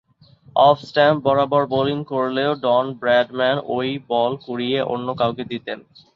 Off stump বরাবর bowling করলেও Don Bradman ঐ বল কুড়িয়ে অন্য কাউকে দিতেন।